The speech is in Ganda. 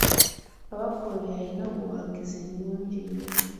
Kabaka oyo yalina obuwagizi bungi nnyo.